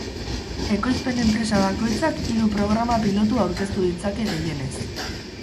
Ekoizpen enpresa bakoitzak hiru programa pilotu aurkeztu ditzake gehienez.